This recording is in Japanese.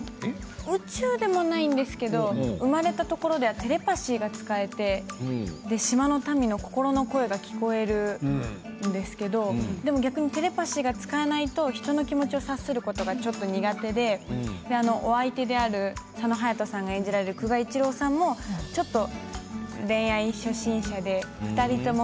宇宙でもないんですけれど生まれたところではテレパシーが使えて島の民の心の声が聞こえるんですけれど逆にテレパシーが使えないと人の気持ちを察することがちょっと苦手でお相手である佐野勇斗さんが演じられる久我一郎さんもちょっと恋愛初心者で２人とも